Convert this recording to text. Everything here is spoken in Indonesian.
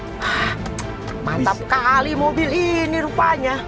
nah mantap kali mobil ini rupanya